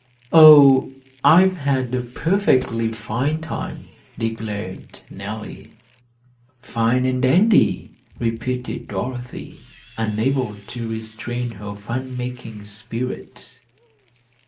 "Oh, I've had a perfectly fine time," declared Nellie. "Fine and dandy," repeated Dorothy, unable to restrain her fun making spirit.